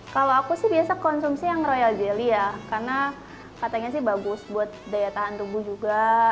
kalau aku sih biasa konsumsi yang royal jelly ya karena katanya sih bagus buat daya tahan tubuh juga